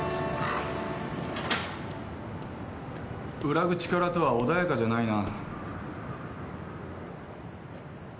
裏口からとは穏やかじゃないな。